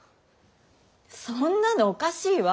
そんなのおかしいわ。